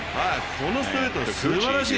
このストレート、すばらしい。